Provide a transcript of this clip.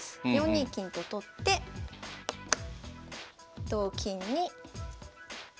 ４二金と取って同金に。